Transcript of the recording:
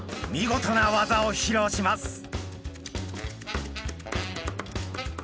見事な技を披露します。